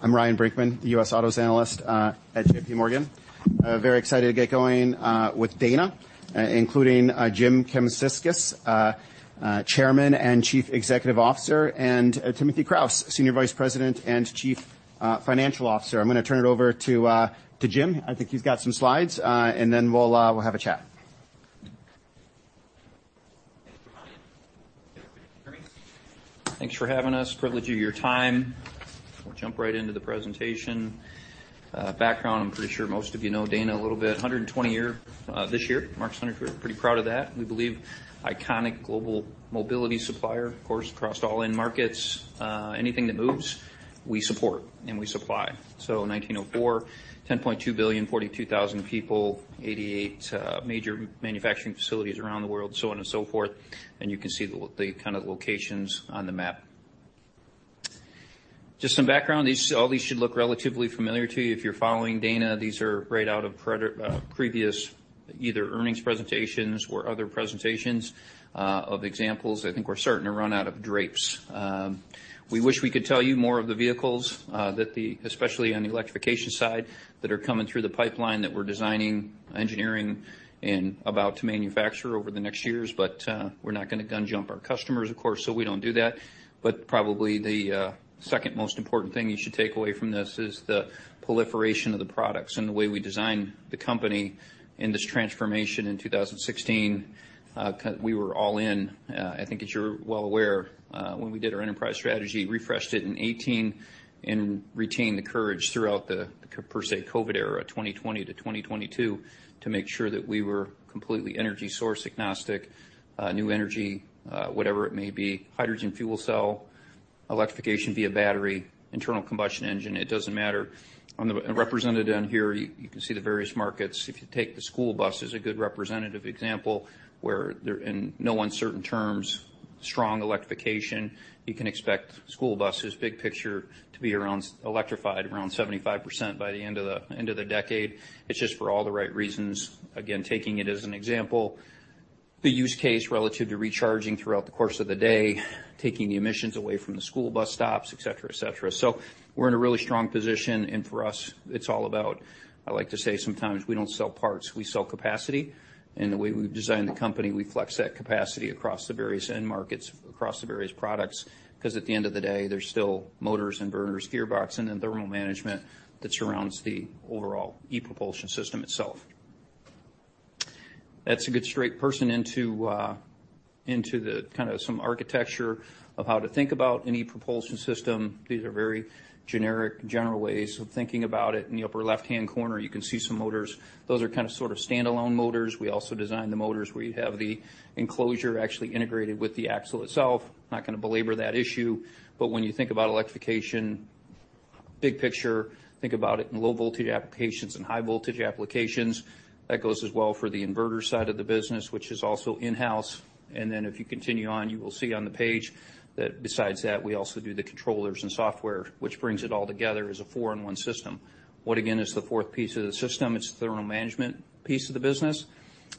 I'm Ryan Brinkman, the US Autos Analyst, at J.P. Morgan. Very excited to get going with Dana, including James Kamsickas, Chairman and Chief Executive Officer, and Timothy Kraus, Senior Vice President and Chief Financial Officer. I'm gonna turn it over to Jim. I think he's got some slides, and then we'll have a chat. Thanks for coming. Thanks for having us. Privilege of your time. We'll jump right into the presentation. Background, I'm pretty sure most of you know Dana a little bit. A 120 year, this year, marks hundred. We're pretty proud of that. We believe iconic global mobility supplier, of course, across all end markets. Anything that moves, we support and we supply. In 1904, $10.2 billion, 42,000 people, 88 major manufacturing facilities around the world, so on and so forth. You can see the kind of locations on the map. Just some background, all these should look relatively familiar to you. If you're following Dana, these are right out of previous either earnings presentations or other presentations. Of examples, I think we're starting to run out of drapes. We wish we could tell you more of the vehicles, especially on the electrification side, that are coming through the pipeline, that we're designing, engineering, and about to manufacture over the next years. We're not gonna gun jump our customers, of course, so we don't do that. Probably the second most important thing you should take away from this is the proliferation of the products and the way we design the company in this transformation in 2016. We were all in, I think as you're well aware, when we did our enterprise strategy, refreshed it in 2018 and retained the courage throughout the per se, COVID era, 2020-2022, to make sure that we were completely energy source agnostic. New energy, whatever it may be, hydrogen fuel cell, electrification via battery, internal combustion engine, it doesn't matter. Represented down here, you can see the various markets. If you take the school bus, is a good representative example, where there, in no uncertain terms, strong electrification, you can expect school buses, big picture, to be around electrified, around 75% by the end of the decade. It's just for all the right reasons. Again, taking it as an example, the use case relative to recharging throughout the course of the day, taking the emissions away from the school bus stops, et cetera, et cetera. We're in a really strong position, and for us, it's all about, I like to say sometimes, we don't sell parts, we sell capacity. The way we've designed the company, we flex that capacity across the various end markets, across the various products, 'cause at the end of the day, there's still motors, inverters, gearbox, and then thermal management that surrounds the overall e-propulsion system itself. That's a good straight person into, into the kind of some architecture of how to think about an e-propulsion system. These are very generic, general ways of thinking about it. In the upper left-hand corner, you can see some motors. Those are kind of sort of standalone motors. We also design the motors, where you have the enclosure actually integrated with the axle itself. Not gonna belabor that issue, but when you think about electrification, big picture, think about it in low voltage applications and high voltage applications. That goes as well for the inverter side of the business, which is also in-house. Then, if you continue on, you will see on the page that besides that, we also do the controllers and software, which brings it all together 4-in-1 system. what, again, is the fourth piece of the system? It's the thermal management piece of the business.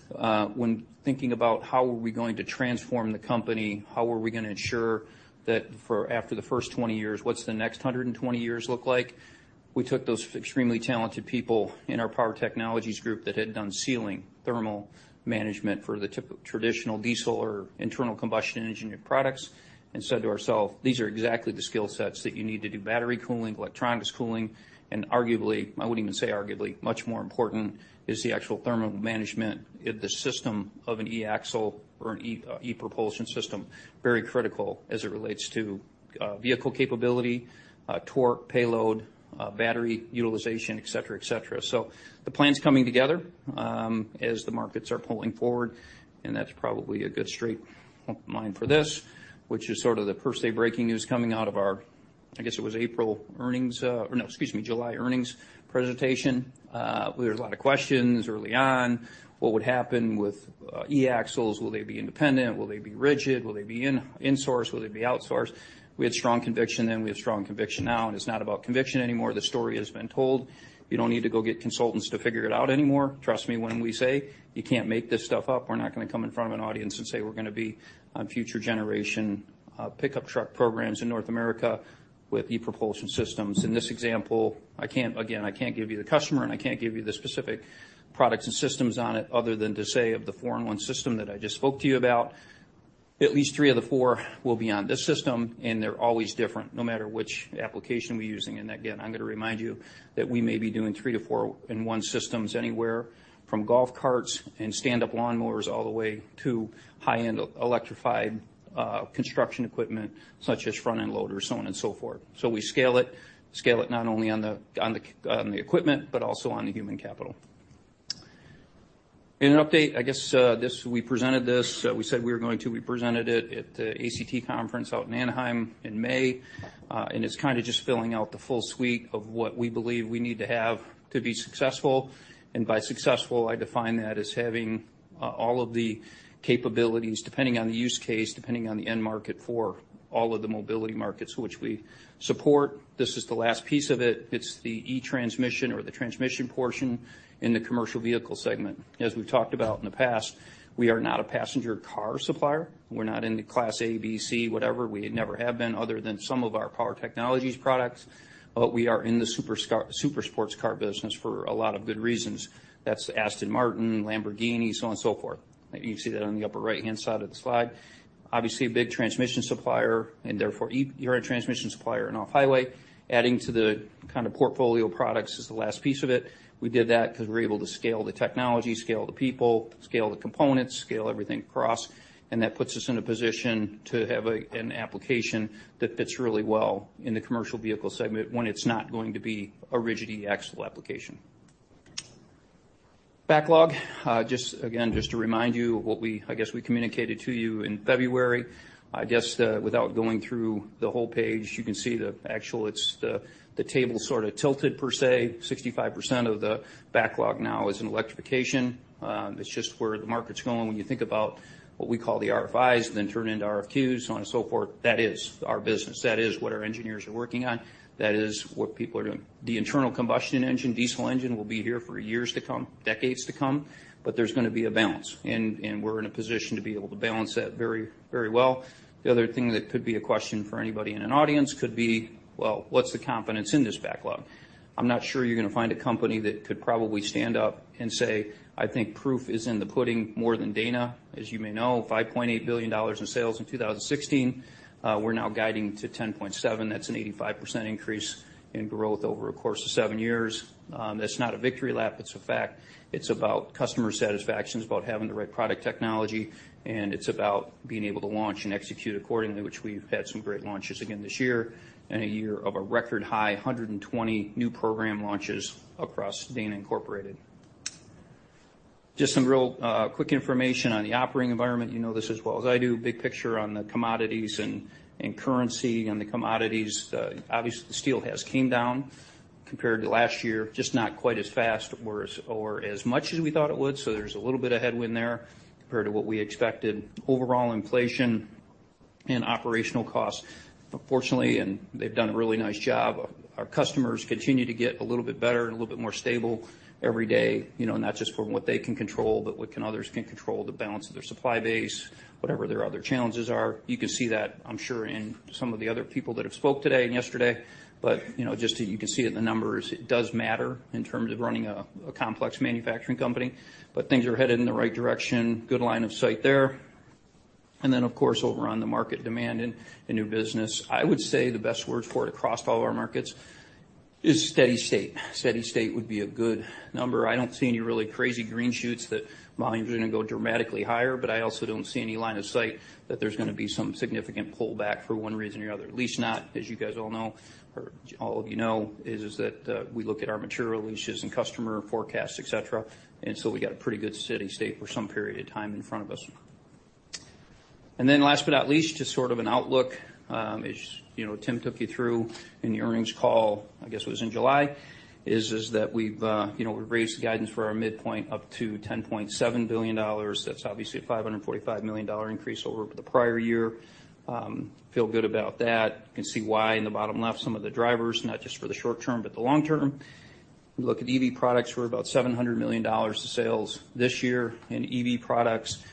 When thinking about how are we going to transform the company, how are we gonna ensure that for after the first 20 years, what's the next 120 years look like? We took those extremely talented people in our Power Technologies group that had done ceiling thermal management for the traditional diesel or internal combustion engine products, and said to ourselves: "These are exactly the skill sets that you need to do battery cooling, electronics cooling." Arguably, I wouldn't even say arguably, much more important is the actual thermal management in the system of an e-axle or an e- e-propulsion system. Very critical as it relates to vehicle capability, torque, payload, battery utilization, et cetera, et cetera. The plan's coming together, as the markets are pulling forward, and that's probably a good straight line for this, which is sort of the per se breaking news coming out of our, I guess, it was April earnings, or no, excuse me, July earnings presentation. There was a lot of questions early on. What would happen with e-axles? Will they be independent? Will they be rigid? Will they be insourced, will they be outsourced? We had strong conviction then, we have strong conviction now. It's not about conviction anymore. The story has been told. You don't need to go get consultants to figure it out anymore. Trust me when we say, you can't make this stuff up. We're not gonna come in front of an audience and say we're gonna be on future generation, pickup truck programs in North America with e-propulsion systems. In this example, I can't. Again, I can't give you the customer, and I can't give you the specific products and systems on it, other than to say of the 4-in-1 system that I just spoke to you about. At least three of the four will be on this system, and they're always different, no matter which application we're using. Again, I'm gonna remind you that we may be doing 3 to 4 in one systems, anywhere from golf carts and stand-up lawnmowers, all the way to high-end e-electrified construction equipment, such as front-end loaders, so on and so forth. We scale it, scale it not only on the, on the equipment, but also on the human capital. In an update, I guess, this, we presented this, we said we were going to. We presented it at the ACT conference out in Anaheim in May. It's kind of just filling out the full suite of what we believe we need to have to be successful. By successful, I define that as having all of the capabilities, depending on the use case, depending on the end market for all of the mobility markets which we support. This is the last piece of it. It's the e-transmission or the transmission portion in the commercial vehicle segment. As we've talked about in the past, we are not a passenger car supplier. We're not in the Class A, B, C, whatever. We never have been, other than some of our Power Technologies products, but we are in the super sports car business for a lot of good reasons. That's Aston Martin, Lamborghini, so on, so forth. You can see that on the upper right-hand side of the slide. Obviously, a big transmission supplier. Therefore, you're a transmission supplier in off-highway. Adding to the kind of portfolio products is the last piece of it. We did that because we're able to scale the technology, scale the people, scale the components, scale everything across, and that puts us in a position to have a, an application that fits really well in the commercial vehicle segment, when it's not going to be a rigid e-axle application. Backlog, just again, just to remind you of what we, I guess, we communicated to you in February. I guess, without going through the whole page, you can see the actual, it's the, the table sort of tilted per se, 65% of the backlog now is in electrification. It's just where the market's going. When you think about what we call the RFI, then turn into RFQ, so on and so forth, that is our business. That is what our engineers are working on. That is what people are doing. The internal combustion engine, diesel engine, will be here for years to come, decades to come, but there's gonna be a balance, and we're in a position to be able to balance that very, very well. The other thing that could be a question for anybody in an audience could be, well, what's the confidence in this backlog? I'm not sure you're gonna find a company that could probably stand up and say, I think proof is in the pudding more than Dana. As you may know, $5.8 billion in sales in 2016. We're now guiding to $10.7 billion. That's an 85% increase in growth over a course of 7 years. That's not a victory lap, it's a fact. It's about customer satisfaction, it's about having the right product technology, and it's about being able to launch and execute accordingly, which we've had some great launches again this year, and a year of a record-high 120 new program launches across Dana Incorporated. Just some real quick information on the operating environment. You know this as well as I do. Big picture on the commodities and, and currency and the commodities. Obviously, the steel has came down compared to last year, just not quite as fast or as, or as much as we thought it would, so there's a little bit of headwind there compared to what we expected. Overall inflation and operational costs, but fortunately, and they've done a really nice job, our customers continue to get a little bit better and a little bit more stable every day, you know, not just from what they can control, but what can others can control, the balance of their supply base, whatever their other challenges are. You can see that, I'm sure, in some of the other people that have spoke today and yesterday. You know, just so you can see it in the numbers, it does matter in terms of running a, a complex manufacturing company, but things are headed in the right direction. Good line of sight there. Then, of course, over on the market demand and, and new business, I would say the best word for it across all our markets is steady state. Steady state would be a good number. I don't see any really crazy green shoots that volumes are going to go dramatically higher, but I also don't see any line of sight that there's gonna be some significant pullback for one reason or another. At least not, as you guys all know, or all of you know, is, is that we look at our material issues and customer forecasts, et cetera, and so we got a pretty good steady state for some period of time in front of us. Last but not least, just sort of an outlook, as you know, Tim took you through in the earnings call, I guess it was in July, is, is that we've, you know, we've raised the guidance for our midpoint up to $10.7 billion. That's obviously a $545 million increase over the prior year. Feel good about that. You can see why in the bottom left, some of the drivers, not just for the short term, but the long term. You look at EV products, we're about $700 million of sales this year in EV products.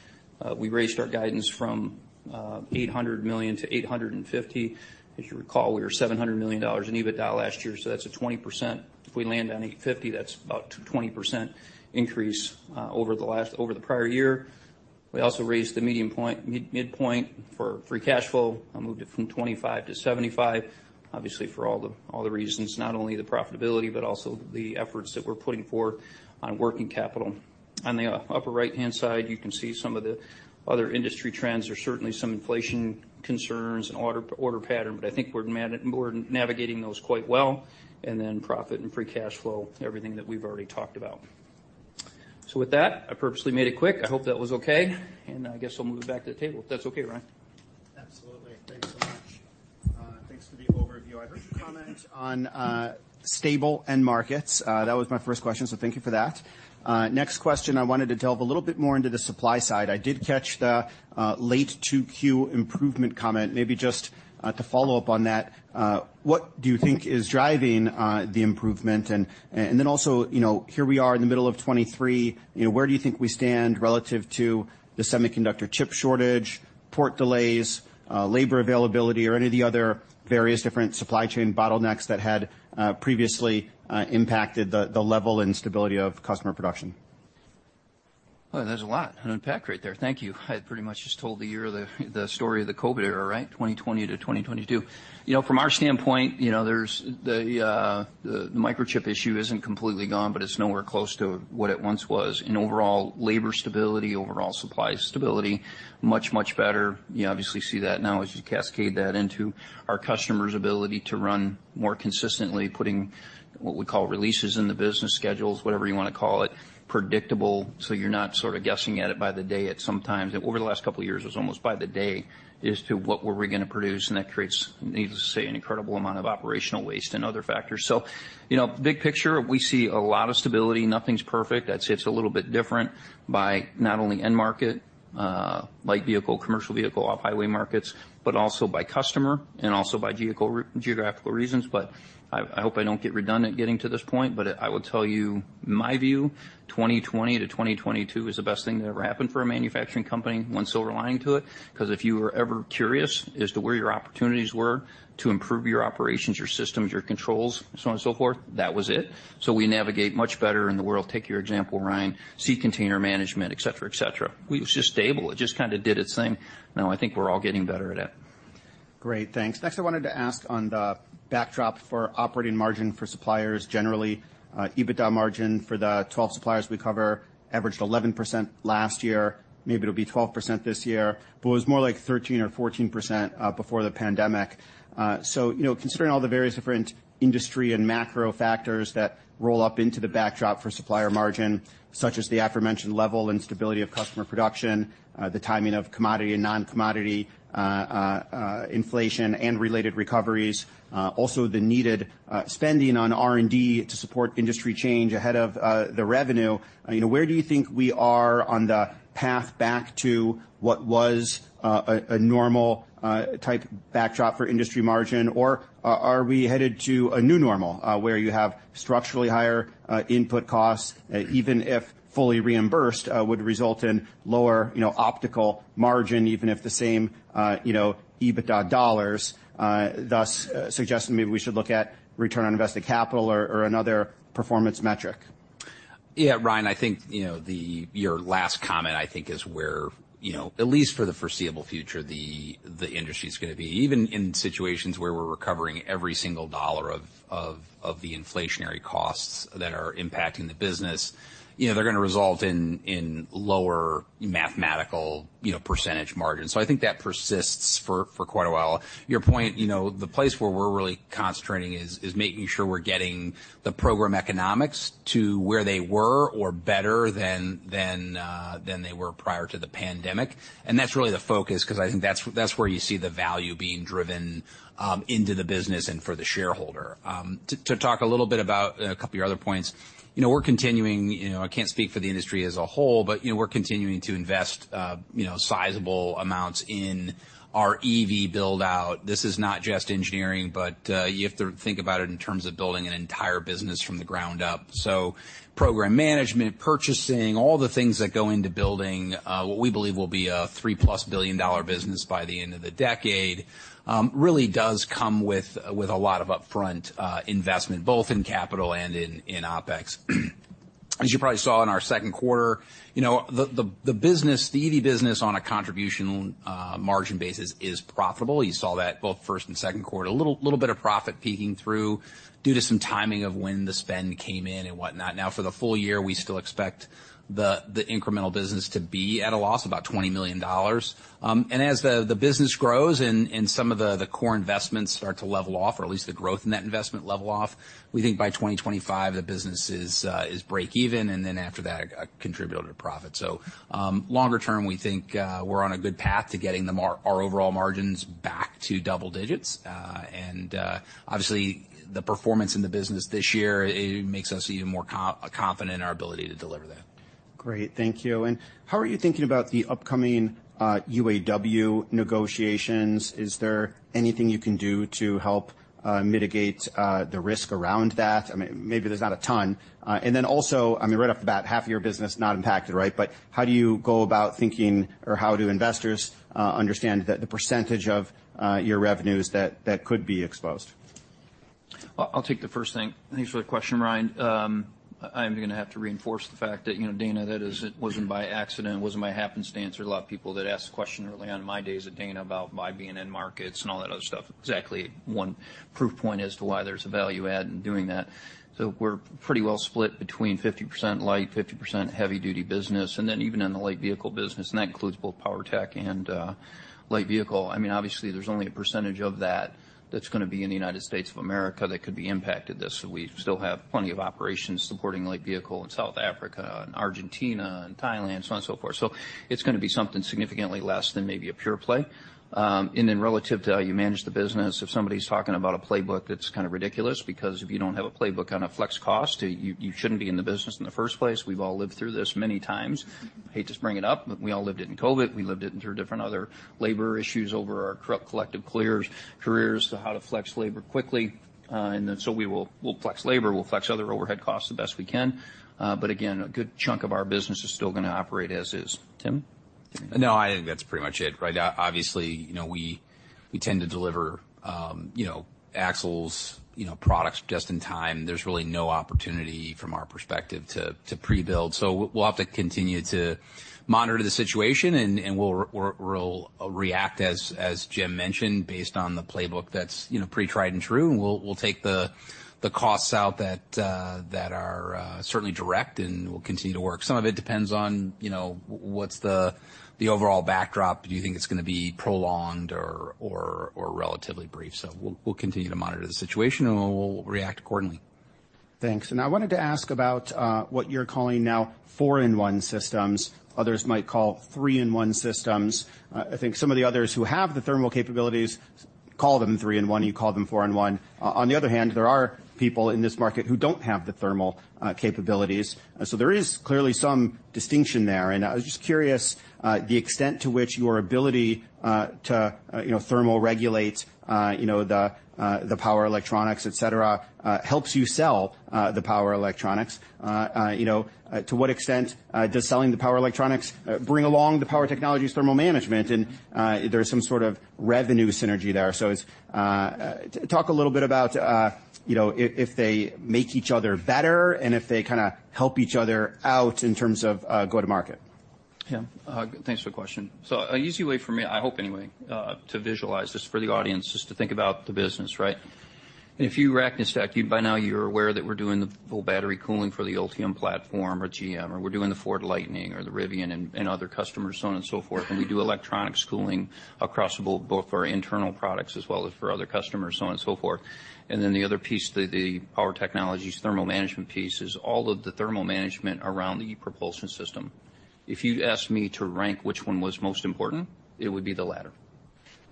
We raised our guidance from $800 million-$850 million. As you recall, we were $700 million in EBITDA last year, so that's a 20%. If we land on $850 million, that's about 20% increase over the prior year. We also raised the midpoint for free cash flow. I moved it from $25 million-$75 million. Obviously, for all the, all the reasons, not only the profitability, but also the efforts that we're putting forth on working capital. On the upper right-hand side, you can see some of the other industry trends. There's certainly some inflation concerns and order, order pattern, but I think we're navigating those quite well, and then profit and free cash flow, everything that we've already talked about. With that, I purposely made it quick. I hope that was okay, and I guess I'll move it back to the table, if that's okay, Ryan? Absolutely. Thanks so much. Thanks for the overview. I heard you comment on stable end markets. That was my first question, so thank you for that. Next question, I wanted to delve a little bit more into the supply side. I did catch the late 2Q improvement comment. Maybe just to follow up on that, what do you think is driving the improvement? And, and then also, you know, here we are in the middle of 2023, you know, where do you think we stand relative to the semiconductor chip shortage, port delays, labor availability, or any of the other various different supply chain bottlenecks that had previously impacted the level and stability of customer production? Well, there's a lot to unpack right there. Thank you. I pretty much just told the year of the, the story of the COVID era, right? 2020-2022. You know, from our standpoint, you know, there's the, the microchip issue isn't completely gone, but it's nowhere close to what it once was. Overall labor stability, overall supply stability, much, much better. You obviously see that now as you cascade that into our customer's ability to run more consistently, putting what we call releases in the business schedules, whatever you wanna call it, predictable, so you're not sort of guessing at it by the day. At some times, over the last couple of years, it was almost by the day as to what were we gonna produce. That creates, needless to say, an incredible amount of operational waste and other factors. You know, big picture, we see a lot of stability. Nothing's perfect. I'd say it's a little bit different by not only end market, light vehicle, commercial vehicle, off-highway markets, but also by customer and also by vehicle, geographical reasons. I, I hope I don't get redundant getting to this point, but I will tell you my view, 2020 to 2022 is the best thing that ever happened for a manufacturing company, one still relying to it, because if you were ever curious as to where your opportunities were to improve your operations, your systems, your controls, so on and so forth, that was it. We navigate much better in the world. Take your example, Ryan, sea container management, et cetera, et cetera. It was just stable. It just kind of did its thing. Now, I think we're all getting better at it. Great, thanks. Next, I wanted to ask on the backdrop for operating margin for suppliers generally. EBITDA margin for the 12 suppliers we cover averaged 11% last year. Maybe it'll be 12% this year, but it was more like 13% or 14% before the pandemic. So, you know, considering all the various different industry and macro factors that roll up into the backdrop for supplier margin, such as the aforementioned level and stability of customer production, the timing of commodity and non-commodity inflation and related recoveries, also the needed spending on R&D to support industry change ahead of the revenue. You know, where do you think we are on the path back to what was a normal type backdrop for industry margin? Are, are we headed to a new normal, where you have structurally higher input costs, even if fully reimbursed, would result in lower, you know, optical margin, even if the same, you know, EBITDA dollars, thus suggesting maybe we should look at return on invested capital or, or another performance metric? Yeah, Ryan, I think, you know, your last comment, I think, is where, you know, at least for the foreseeable future, the industry is gonna be. Even in situations where we're recovering every single dollar of the inflationary costs that are impacting the business, you know, they're gonna result in lower mathematical, you know, percentage margins. I think that persists for quite a while. Your point, you know, the place where we're really concentrating is making sure we're getting the program economics to where they were or better than they were prior to the pandemic. That's really the focus, 'cause I think that's where you see the value being driven into the business and for the shareholder. To talk a little bit about a couple of your other points. You know, we're continuing, you know, I can't speak for the industry as a whole, but, you know, we're continuing to invest, you know, sizable amounts in our EV build-out. This is not just engineering, but, you have to think about it in terms of building an entire business from the ground up. So program management, purchasing, all the things that go into building, what we believe will be a $3+ billion business by the end of the decade, really does come with, with a lot of upfront investment, both in capital and in, in OpEx. As you probably saw in our second quarter, you know, the, the, the business, the EV business on a contribution margin basis is profitable. You saw that both first and second quarter. A little, little bit of profit peeking through due to some timing of when the spend came in and whatnot. For the full year, we still expect the incremental business to be at a loss of about $20 million. As the business grows and some of the core investments start to level off, or at least the growth in that investment level off, we think by 2025, the business is break even, and then after that, a contributor to profit. Longer term, we think we're on a good path to getting our overall margins back to double digits. Obviously, the performance in the business this year, it makes us even more confident in our ability to deliver that. Great. Thank you. How are you thinking about the upcoming UAW negotiations? Is there anything you can do to help mitigate the risk around that? I mean, maybe there's not a ton. I mean, right off the bat, half of your business is not impacted, right? How do you go about thinking or how do investors understand the percentage of your revenues that could be exposed? Well, I'll take the first thing. Thanks for the question, Ryan. I'm gonna have to reinforce the fact that, you know, Dana, that is, it wasn't by accident, it wasn't by happenstance, or a lot of people that asked the question early on in my days at Dana about my being in markets and all that other stuff. Exactly one proof point as to why there's a value add in doing that. We're pretty well split between 50% light, 50% heavy duty business, and then even in the light vehicle business, and that includes both Power Technologies and light vehicle. I mean, obviously, there's only a percentage of that that's gonna be in the United States of America that could be impacted this. We still have plenty of operations supporting light vehicle in South Africa and Argentina and Thailand, so on and so forth. It's gonna be something significantly less than maybe a pure play. Relative to how you manage the business, if somebody's talking about a playbook, that's kind of ridiculous, because if you don't have a playbook on a flex cost, you, you shouldn't be in the business in the first place. We've all lived through this many times. I hate to bring it up, but we all lived it in COVID. We lived it through different other labor issues over our collective careers, careers, to how to flex labor quickly. We will, we'll flex labor, we'll flex other overhead costs the best we can. Again, a good chunk of our business is still gonna operate as is. Tim? No, I think that's pretty much it, right? Obviously, you know, we, we tend to deliver, you know, axles, you know, products just in time. There's really no opportunity from our perspective, to, to pre-build. We'll have to continue to monitor the situation, and, and we'll, we're, we'll react as, as Jim mentioned, based on the playbook that's, you know, pretty tried and true. We'll, we'll take the, the costs out that, that are, certainly direct, and we'll continue to work. Some of it depends on, you know, what's the, the overall backdrop. Do you think it's gonna be prolonged or, or, or relatively brief? We'll, we'll continue to monitor the situation and we'll react accordingly. Thanks. I wanted to ask about what you're 4-in-1 systems. others might call three-in-one system. I think some of the others who have the thermal capabilities call them three-in-one, you 4-in-1. on, on the other hand, there are people in this market who don't have the thermal capabilities, so there is clearly some distinction there. I was just curious, the extent to which your ability to, you know, thermoregulate, you know, the power electronics, et cetera, helps you sell the power electronics. You know, to what extent does selling the power electronics bring along the Power Technologies thermal management, and there's some sort of revenue synergy there? Talk a little bit about, you know, if, if they make each other better and if they kinda help each other out in terms of, go-to-market. Yeah, thanks for the question. So an easy way for me, I hope, anyway, to visualize this for the audience, is to think about the business, right? If you rack and stack, you by now, you're aware that we're doing the full battery cooling for the Ultium platform or GM, or we're doing the Ford Lightning or the Rivian and other customers, so on and so forth. We do electronics cooling across the board, both for our internal products as well as for other customers, so on and so forth. Then the other piece, the Power Technologies, thermal management piece, is all of the thermal management around the e-propulsion system. If you'd asked me to rank which one was most important, it would be the latter.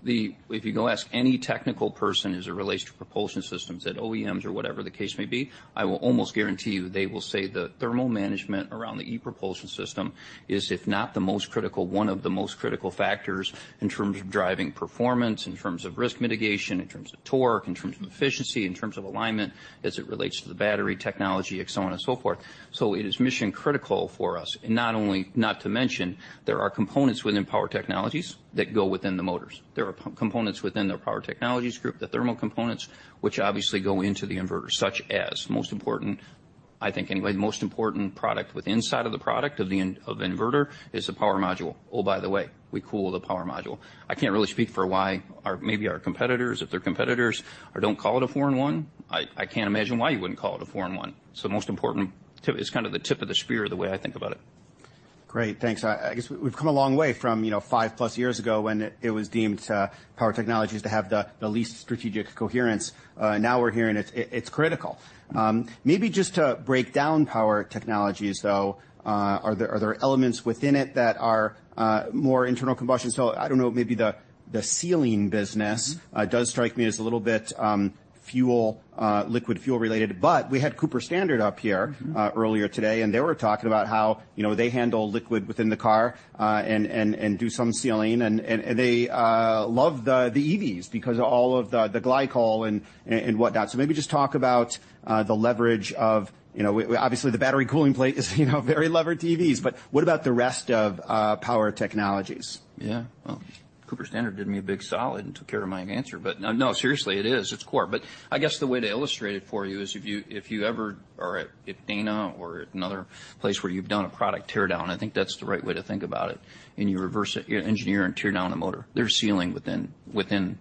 If you go ask any technical person as it relates to propulsion systems at OEMs or whatever the case may be, I will almost guarantee you they will say the thermal management around the e-propulsion system is, if not the most critical, one of the most critical factors in terms of driving performance, in terms of risk mitigation, in terms of torque, in terms of efficiency, in terms of alignment as it relates to the battery technology, and so on and so forth. It is mission critical for us. Not only... Not to mention, there are components within Power Technologies that go within the motors. There are components within the Power Technologies group, the thermal components, which obviously go into the inverter, such as, most important, I think anyway, the most important product with inside of the product of the inverter is the power module. By the way, we cool the power module. I can't really speak for why our, maybe our competitors, if they're competitors, or don't call 4-in-1. i can't imagine why you wouldn't call 4-in-1. it's the most important tip. It's kind of the tip of the spear, the way I think about it. Great, thanks. I, I guess we've come a long way from, you know, 5+ years ago, when it, it was deemed Power Technologies to have the, the least strategic coherence. We're hearing it's, it's critical. Maybe just to break down Power Technologies, though, are there, are there elements within it that are more internal combustion? I don't know, maybe the, the sealing business- Mm-hmm. does strike me as a little bit, fuel, liquid fuel related, but we had Cooper Standard up here. Mm-hmm. earlier today, and they were talking about how, you know, they handle liquid within the car, and do some sealing, and they love the EVs because of all of the glycol and what not. Maybe just talk about the leverage of, you know, obviously, the battery cooling plate is, you know, very levered to EVs, but what about the rest of Power Technologies? Yeah. Well, Cooper Standard did me a big solid and took care of my answer. No, no, seriously, it is. It's core. I guess the way to illustrate it for you is if you, if you ever are at Dana or at another place where you've done a product teardown, I think that's the right way to think about it, and you reverse it, you engineer and tear down a motor. There's sealing within, within.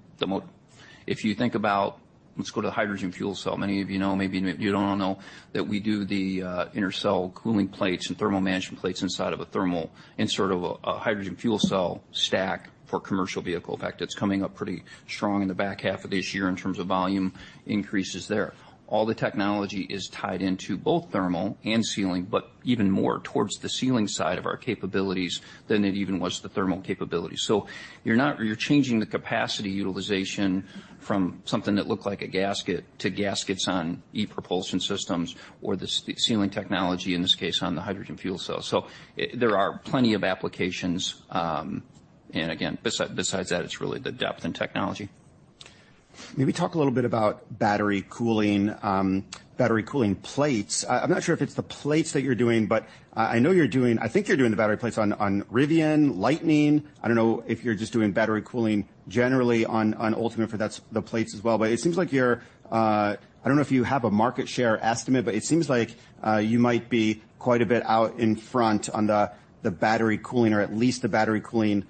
If you think about... Let's go to the hydrogen fuel cell. Many of you know, maybe you don't all know, that we do the inter-cell cooling plates and thermal management plates inside of a hydrogen fuel cell stack for commercial vehicle. In fact, it's coming up pretty strong in the back half of this year in terms of volume increases there. All the technology is tied into both thermal and sealing, but even more towards the sealing side of our capabilities than it even was the thermal capability. So you're not, you're changing the capacity utilization from something that looked like a gasket to gaskets on e-propulsion systems or the sealing technology, in this case, on the hydrogen fuel cell. So it there are plenty of applications. Again, besides that, it's really the depth and technology. Maybe talk a little bit about battery cooling, battery cooling plates. I'm not sure if it's the plates that you're doing, but I know you're doing... I think you're doing the battery plates on, on Rivian, Lightning. I don't know if you're just doing battery cooling generally on, on Ultium, for that's the plates as well. But it seems like you're... I don't know if you have a market share estimate, but it seems like you might be quite a bit out in front on the, the battery cooling, or at least the battery cooling,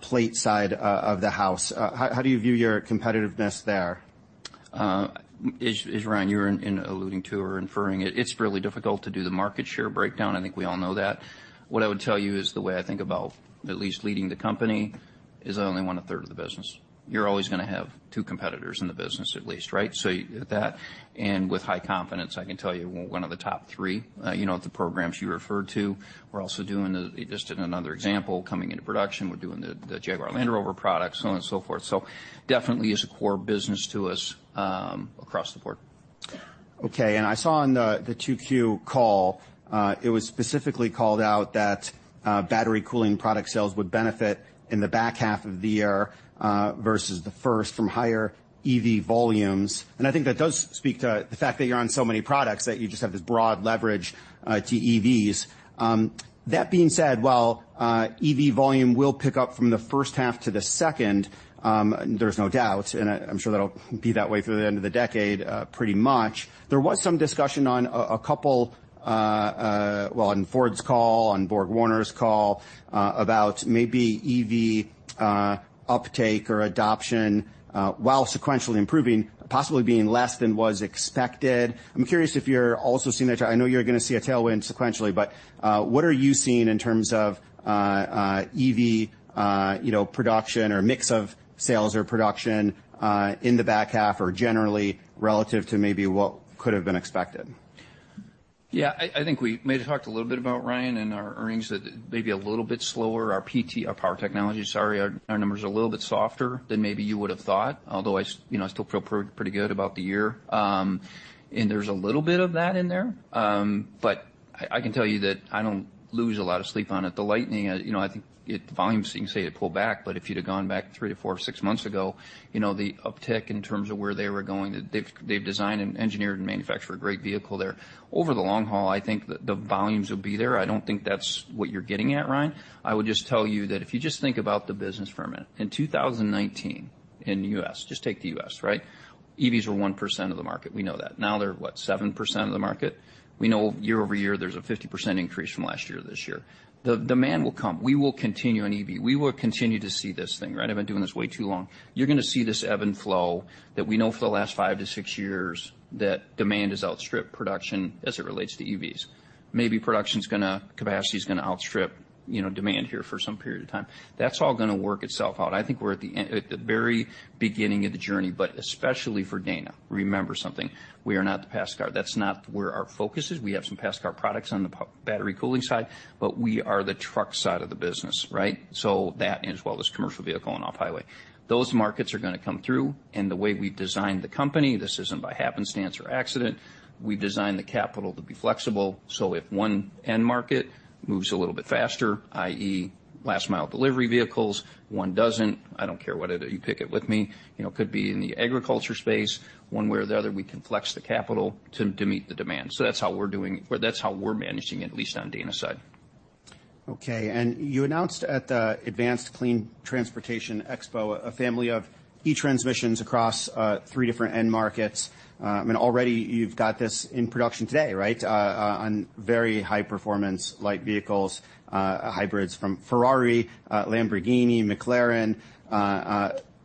plate side, of the house. How, how do you view your competitiveness there? As Ryan, you were alluding to or inferring it, it's really difficult to do the market share breakdown. I think we all know that. What I would tell you is, the way I think about at least leading the company, is I only want a third of the business. You're always gonna have two competitors in the business at least, right? And with high confidence, I can tell you we're one of the top three. You know, the programs you referred to, we're also doing. Just in another example, coming into production, we're doing the Jaguar Land Rover products, so on and so forth. Definitely is a core business to us, across the board. Okay, I saw on the, the 2Q call, it was specifically called out that battery cooling product sales would benefit in the back half of the year, versus the first, from higher EV volumes. I think that does speak to the fact that you're on so many products, that you just have this broad leverage, to EVs. That being said, while EV volume will pick up from the first half to the second, there's no doubt, and I, I'm sure that'll be that way through the end of the decade, pretty much. There was some discussion on a, a couple, well, on Ford's call, on BorgWarner's call, about maybe EV uptake or adoption, while sequentially improving, possibly being less than was expected. I'm curious if you're also seeing that. I know you're gonna see a tailwind sequentially, but, what are you seeing in terms of EV, you know, production or mix of sales or production, in the back half or generally relative to maybe what could have been expected? Yeah, I, I think we may have talked a little bit about Ryan and our earnings, that may be a little bit slower. Our PT, our Power Technologies, sorry, our, our numbers are a little bit softer than maybe you would have thought, although I you know, I still feel pretty good about the year. There's a little bit of that in there. I, I can tell you that I don't lose a lot of sleep on it. The Lightning, you know, I think the volumes, you can say it pulled back, but if you'd have gone back 3-4, 6 months ago, you know, the uptick in terms of where they were going, they've, they've designed and engineered and manufactured a great vehicle there. Over the long haul, I think the, the volumes will be there. I don't think that's what you're getting at, Ryan. I would just tell you that if you just think about the business for a minute, in 2019 in the U.S., just take the U.S., right? EVs were 1% of the market. We know that. Now they're, what? 7% of the market. We know year-over-year, there's a 50% increase from last year to this year. The demand will come. We will continue on EV. We will continue to see this thing, right? I've been doing this way too long. You're gonna see this ebb and flow that we know for the last 5-6 years, that demand has outstripped production as it relates to EVs. Maybe production's capacity is gonna outstrip, you know, demand here for some period of time. That's all gonna work itself out. I think we're at the very beginning of the journey, especially for Dana. Remember something, we are not the Pascal. That's not where our focus is. We have some Pascal products on the battery cooling side, we are the truck side of the business, right? That, as well as commercial vehicle and off highway. Those markets are gonna come through, the way we've designed the company, this isn't by happenstance or accident. We've designed the capital to be flexible, if one end market moves a little bit faster, i.e., last mile delivery vehicles, one doesn't, I don't care whether you pick it with me. You know, could be in the agriculture space. One way or the other, we can flex the capital to meet the demand. That's how we're doing. That's how we're managing it, at least on Dana's side. Okay, you announced at the Advanced Clean Transportation Expo, a family of e-transmissions across 3 different end markets. I mean already you've got this in production today, right? On very high performance light vehicles, hybrids from Ferrari, Lamborghini, McLaren.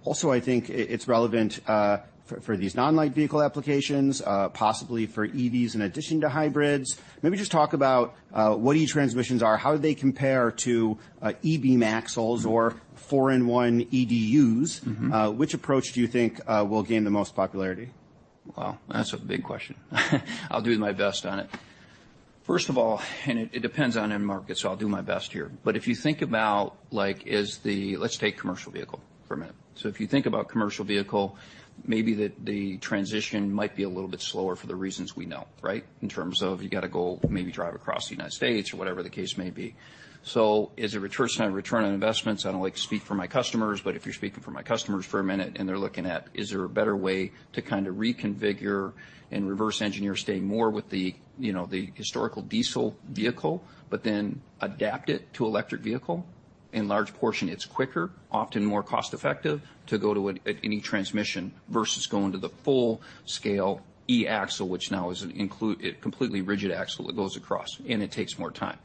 Also, I think it, it's relevant for these non-light vehicle applications, possibly for EVs in addition to hybrids. Maybe just talk about what e-transmissions are, how they compare to e-beam or 4-in-1 EDU. Mm-hmm. Which approach do you think will gain the most popularity? Wow, that's a big question. I'll do my best on it. First of all, it, it depends on end market, so I'll do my best here. If you think about like, is the let's take commercial vehicle for a minute. If you think about commercial vehicle, maybe the, the transition might be a little bit slower for the reasons we know, right? In terms of you got to go, maybe drive across the United States or whatever the case may be. Is it return on, return on investments? I don't like to speak for my customers, but if you're speaking for my customers for a minute and they're looking at, is there a better way to kind of reconfigure and reverse engineer, staying more with the, you know, the historical diesel vehicle, but then adapt it to electric vehicle? In large portion, it's quicker, often more cost-effective to go to an e-transmission versus going to the full-scale e-axle, which now is a completely rigid axle that goes across. It takes more time.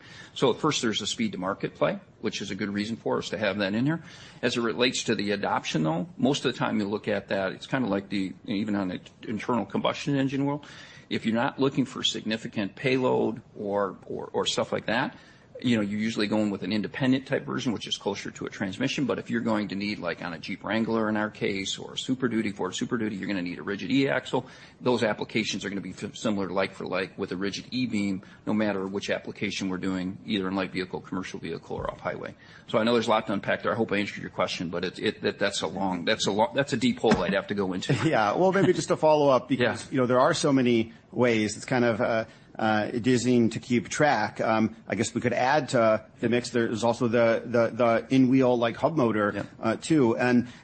At first, there's a speed-to-market play, which is a good reason for us to have that in there. As it relates to the adoption, though, most of the time you look at that, it's kind of like even on an internal combustion engine wheel, if you're not looking for significant payload or stuff like that, you know, you're usually going with an independent type version, which is closer to a transmission. If you're going to need, like on a Jeep Wrangler, in our case, or a Super Duty, Ford Super Duty, you're gonna need a rigid e-axle. Those applications are gonna be similar, like for like, with a rigid e-beam, no matter which application we're doing, either in light vehicle, commercial vehicle, or off highway. I know there's a lot to unpack there. I hope I answered your question, but it that's a long, that's a long that's a deep hole I'd have to go into. Yeah. Well, maybe just to follow up- Yeah... because, you know, there are so many ways. It's kind of dizzying to keep track. I guess we could add to the mix. There is also the in-wheel, like, hub motor. Yeah... too.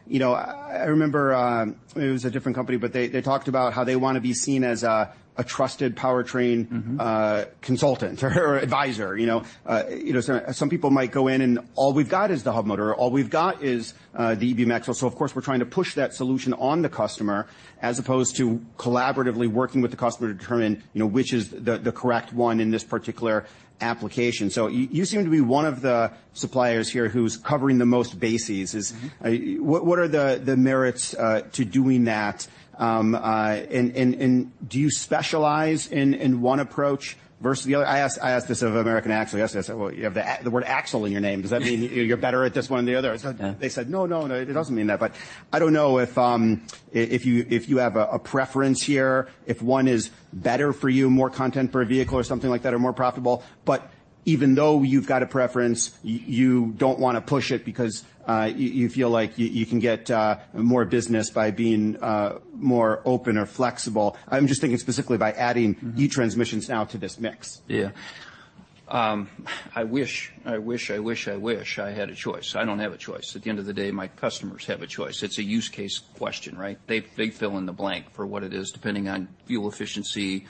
You know, I remember, it was a different company, but they, they talked about how they want to be seen as a, a trusted powertrain- Mm-hmm... consultant or advisor. You know, you know, some, some people might go in and, "All we've got is the hub motor, all we've got is, the e-beam axle." Of course, we're trying to push that solution on the customer, as opposed to collaboratively working with the customer to determine, you know, which is the, the correct one in this particular application. You, you seem to be one of the suppliers here who's covering the most bases. Mm-hmm. Is... What, what are the merits to doing that? And, and, and do you specialize in, in one approach versus the other? I asked, I asked this of American Axle yesterday. I said, "Well, you have the word axle in your name. Does that mean you're better at this one or the other? Yeah. They said, "No, no, no, it doesn't mean that." I don't know if, if, if you, if you have a, a preference here, if one is better for you, more content per vehicle or something like that, or more profitable. Even though you've got a preference, you, you don't wanna push it because you, you feel like you, you can get more business by being more open or flexible. I'm just thinking specifically by adding... Mm-hmm... e-transmissions now to this mix. Yeah. I wish, I wish, I wish, I wish I had a choice. I don't have a choice. At the end of the day, my customers have a choice. It's a use case question, right? They, they fill in the blank for what it is, depending on fuel efficiency,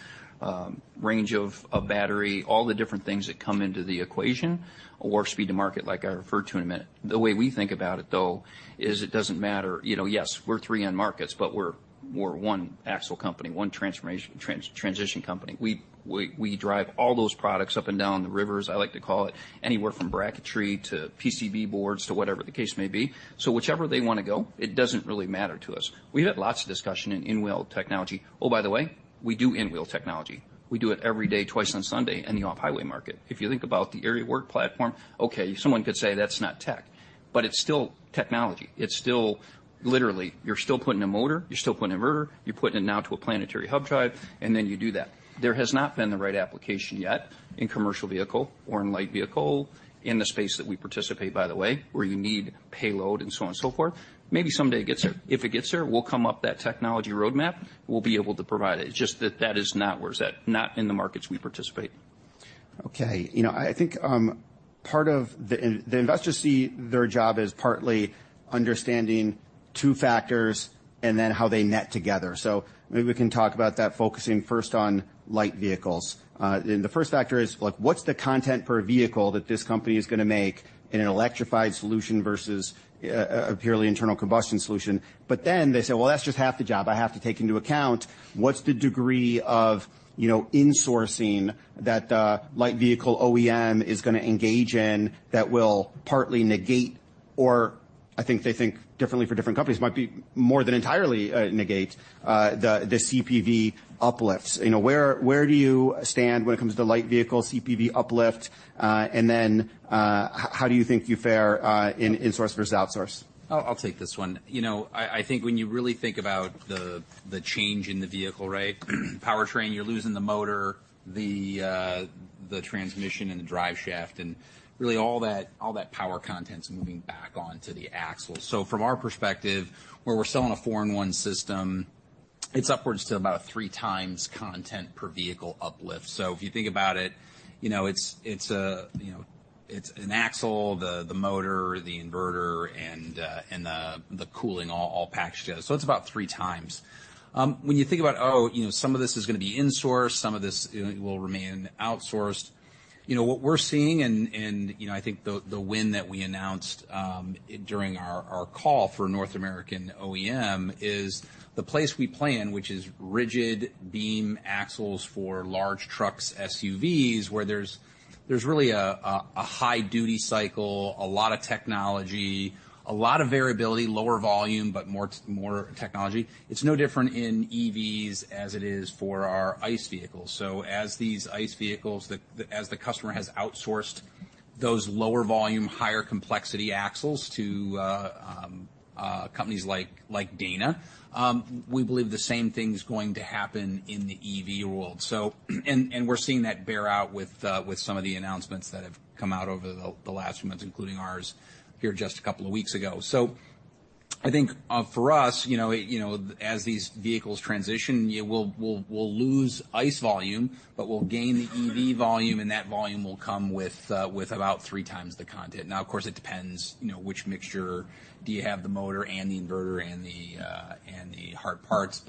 range of, of battery, all the different things that come into the equation or speed to market, like I referred to in a minute. The way we think about it, though, is it doesn't matter. You know, yes, we're three end markets, but we're, we're one axle company, one transformation, transition company. We, we, we drive all those products up and down the rivers, I like to call it, anywhere from bracketry to PCB boards to whatever the case may be. So whichever they wanna go, it doesn't really matter to us. We've had lots of discussion in in-wheel technology. Oh, by the way, we do in-wheel technology. We do it every day, twice on Sunday in the off-highway market. If you think about the aerial work platform, okay, someone could say, "That's not tech," but it's still technology. It's still Literally, you're still putting a motor, you're still putting an inverter, you're putting it now to a planetary hub drive, and then you do that. There has not been the right application yet in commercial vehicle or in light vehicle, in the space that we participate, by the way, where you need payload and so on and so forth. Maybe someday it gets there. If it gets there, we'll come up that technology roadmap. We'll be able to provide it. Just that that is not where it's at, not in the markets we participate.... Okay, you know, I, I think, part of the in- the investors see their job as partly understanding two factors and then how they net together. Maybe we can talk about that, focusing first on light vehicles. The first factor is, like, what's the content per vehicle that this company is going to make in an electrified solution versus a, a purely internal combustion solution? Then they say, "Well, that's just half the job. I have to take into account what's the degree of, you know, insourcing that the light vehicle OEM is going to engage in that will partly negate?" I think they think differently for different companies, might be more than entirely negate the CPV uplifts. You know, where, where do you stand when it comes to light vehicle CPV uplift? Then, how do you think you fare in insource versus outsource? I'll, I'll take this one. You know, I, I think when you really think about the, the change in the vehicle, right? Powertrain, you're losing the motor, the transmission and the driveshaft, and really all that, all that power content's moving back onto the axle. From our perspective, where we're 4-in-1 system, it's upwards to about 3x content per vehicle uplift. If you think about it, you know, it's, it's a, you know, it's an axle, the, the motor, the inverter, and the, the cooling all, all packaged together, so it's about 3x. When you think about, you know, some of this is going to be insourced, some of this will remain outsourced. You know, what we're seeing and, and, you know, I think the, the win that we announced during our, our call for North American OEM is the place we play in, which is rigid beam axles for large trucks, SUVs, where there's, there's really a, a, a high duty cycle, a lot of technology, a lot of variability, lower volume, but more technology. It's no different in EVs as it is for our ICE vehicles. As these ICE vehicles as the customer has outsourced those lower volume, higher complexity axles to companies like Dana, we believe the same thing's going to happen in the EV world. We're seeing that bear out with some of the announcements that have come out over the last few months, including ours here just a couple of weeks ago. I think, for us, you know, it, you know, as these vehicles transition, we'll, we'll, we'll lose ICE volume, but we'll gain the EV volume, and that volume will come with about 3x the content. Now, of course, it depends, you know, which mixture. Do you have the motor and the inverter and the hard parts?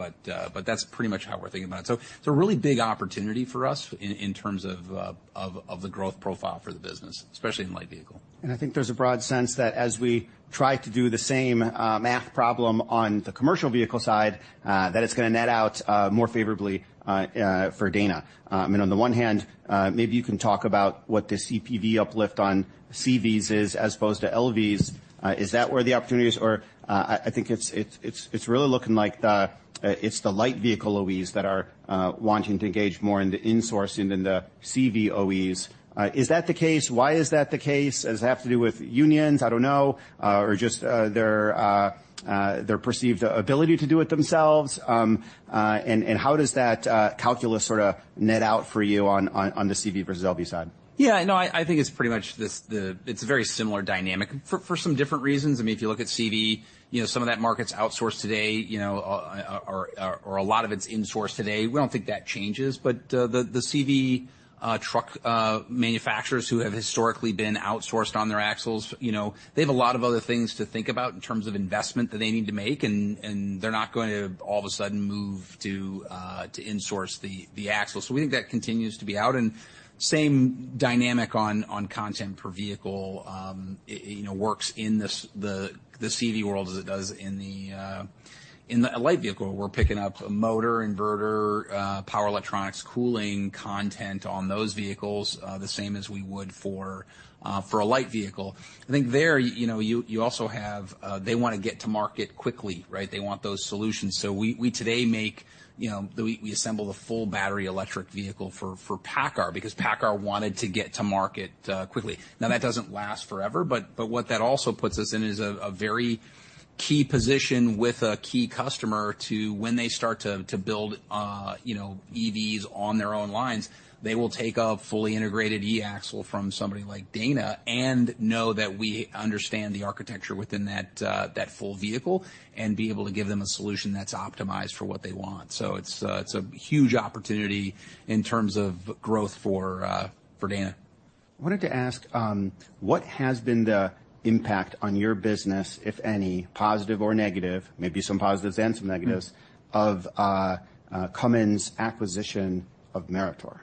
That's pretty much how we're thinking about it. It's a really big opportunity for us in, in terms of, of, of the growth profile for the business, especially in light vehicle. I think there's a broad sense that as we try to do the same math problem on the commercial vehicle side, that it's going to net out more favorably for Dana. On the one hand, maybe you can talk about what the CPV uplift on CVs is as opposed to LVs. Is that where the opportunity is? I, I think it's, it's, it's, it's really looking like the, it's the light vehicle OEs that are wanting to engage more in the insourcing than the CV OEs. Is that the case? Why is that the case? Does it have to do with unions? I don't know. Or just their perceived ability to do it themselves? How does that calculus sort of net out for you on the CV versus LV side? Yeah, no, I, I think it's pretty much this. It's a very similar dynamic for, for some different reasons. I mean, if you look at CV, you know, some of that market's outsourced today, you know, or, or a lot of it's insourced today. We don't think that changes. The, the CV truck manufacturers who have historically been outsourced on their axles, you know, they have a lot of other things to think about in terms of investment that they need to make, and, and they're not going to all of a sudden move to insource the, the axles. We think that continues to be out, and same dynamic on, on content per vehicle, you know, works in this, the, the CV world as it does in the light vehicle. We're picking up a motor, inverter, power electronics, cooling content on those vehicles, the same as we would for, for a light vehicle. I think there, you know, you, you also have. They want to get to market quickly, right? They want those solutions. We, we today make, you know, we, we assemble the full battery electric vehicle for, for PACCAR, because PACCAR wanted to get to market quickly. Now, that doesn't last forever, but what that also puts us in is a very key position with a key customer to, when they start to build, you know, EVs on their own lines, they will take a fully integrated e-axle from somebody like Dana and know that we understand the architecture within that, that full vehicle and be able to give them a solution that's optimized for what they want. It's a huge opportunity in terms of growth for Dana. I wanted to ask, what has been the impact on your business, if any, positive or negative, maybe some positives and some negatives? Mm-hmm. of Cummins' acquisition of Meritor?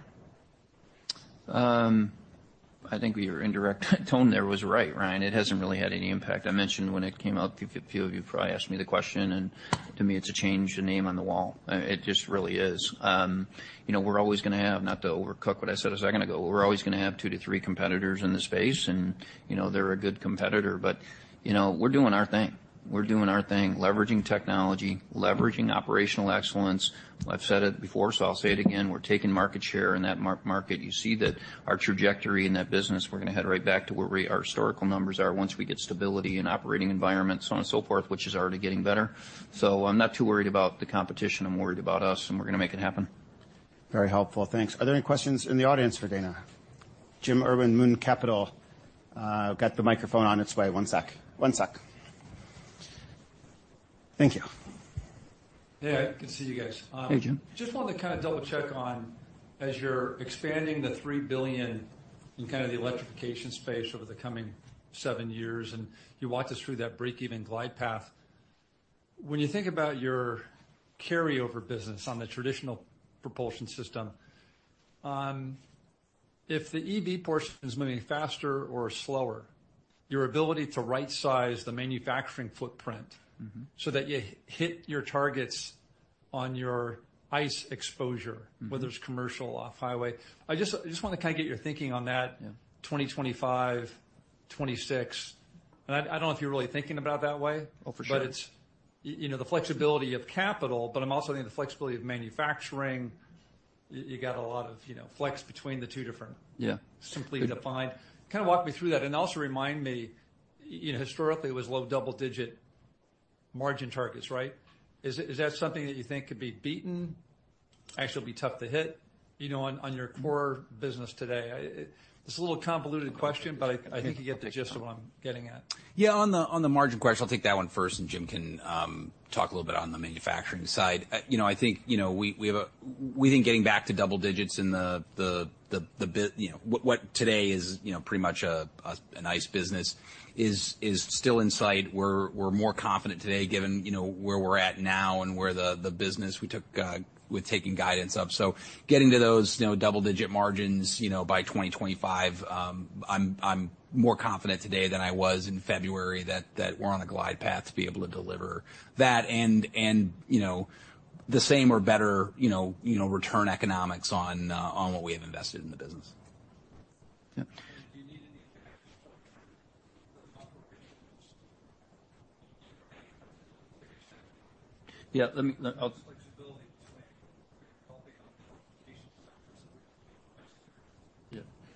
I think your indirect tone there was right, Ryan. It hasn't really had any impact. I mentioned when it came out, a few, few of you probably asked me the question, and to me, it's a change of name on the wall. It just really is. You know, we're always going to have. Not to overcook what I said a second ago, we're always going to have 2 to 3 competitors in the space, and, you know, they're a good competitor. You know, we're doing our thing. We're doing our thing, leveraging technology, leveraging operational excellence. I've said it before, so I'll say it again, we're taking market share in that market. You see that our trajectory in that business, we're going to head right back to where our historical numbers are once we get stability in operating environment, so on and so forth, which is already getting better. I'm not too worried about the competition. I'm worried about us, and we're going to make it happen. Very helpful. Thanks. Are there any questions in the audience for Dana? Jim Urban, Moon Capital. Got the microphone on its way. One sec, one sec. Thank you. Hey, good to see you guys. Hey, Jim. Just wanted to kind of double-check on, as you're expanding the $3 billion in kind of the electrification space over the coming 7 years, and you walked us through that breakeven glide path. When you think about your carryover business on the traditional propulsion system, if the EV portion is moving faster or slower, your ability to right-size the manufacturing footprint... Mm-hmm. so that you hit your targets on your ICE exposure Mm-hmm. whether it's commercial off highway. I just, I just want to kind of get your thinking on that. Yeah. 2025, 2026. I, I don't know if you're really thinking about it that way? Oh, for sure. It's, you know, the flexibility of capital, but I'm also thinking the flexibility of manufacturing. You, you got a lot of, you know, flex between the two different... Yeah. Simply defined. Kind of walk me through that. Also remind me, you know, historically, it was low double-digit margin targets, right? Is that something that you think could be beaten? Actually, it'll be tough to hit, you know, on your core business today. It's a little convoluted question. I think you get the gist of what I'm getting at. Yeah, on the, on the margin question, I'll take that one first. Jim can talk a little bit on the manufacturing side. You know, I think, you know, we, we have a we think getting back to double digits in the, you know, what, what today is, you know, pretty much an ICE business is, is still in sight. We're, we're more confident today, given, you know, where we're at now and where the, the business we took, we're taking guidance of. Getting to those, you know, double-digit margins, you know, by 2025, I'm, I'm more confident today than I was in February, that, that we're on a glide path to be able to deliver that and, and, you know, the same or better, you know, you know, return economics on what we have invested in the business. Yeah. Do you need any additional operations? Yeah, let me, I'll. Flexibility building on the patient side. Yeah,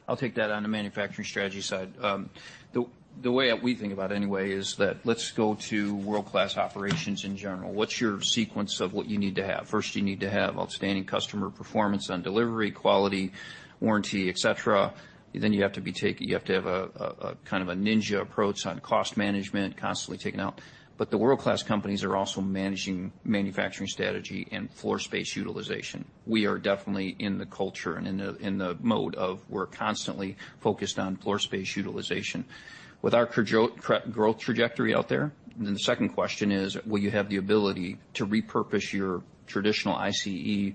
I'll take that on the manufacturing strategy side. The, the way that we think about it anyway, is that let's go to world-class operations in general. What's your sequence of what you need to have? First, you need to have outstanding customer performance on delivery, quality, warranty, et cetera. You have to have a, a, a kind of a ninja approach on cost management, constantly taking out. The world-class companies are also managing manufacturing strategy and floor space utilization. We are definitely in the culture and in the, in the mode of we're constantly focused on floor space utilization. With our growth trajectory out there, then the second question is: Will you have the ability to repurpose your traditional ICE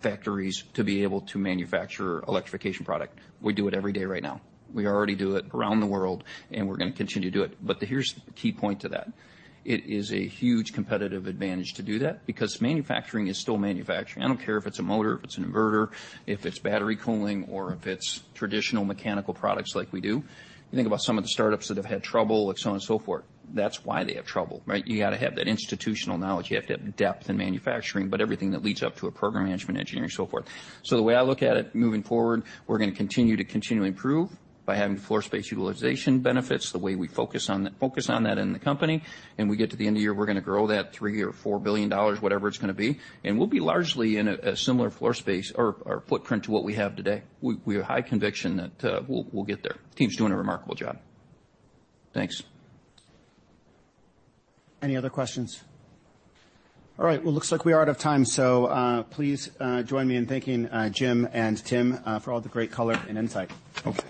factories to be able to manufacture electrification product? We do it every day right now. We already do it around the world, and we're going to continue to do it. Here's the key point to that: It is a huge competitive advantage to do that, because manufacturing is still manufacturing. I don't care if it's a motor, if it's an inverter, if it's battery cooling, or if it's traditional mechanical products like we do. You think about some of the startups that have had trouble and so on and so forth. That's why they have trouble, right? You got to have that institutional knowledge. You have to have depth in manufacturing, but everything that leads up to a program management, engineering, so forth. The way I look at it, moving forward, we're going to continue to continually improve by having floor space utilization benefits, the way we focus on, focus on that in the company. We get to the end of the year, we're going to grow that $3 billion-$4 billion, whatever it's going to be, and we'll be largely in a, a similar floor space or, or footprint to what we have today. We, we have high conviction that we'll, we'll get there. Team's doing a remarkable job. Thanks. Any other questions? All right, well, it looks like we are out of time, so please join me in thanking Jim and Tim for all the great color and insight. Okay.